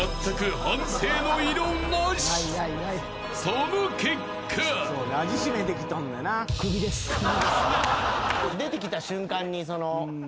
［その結果］出てきた瞬間に。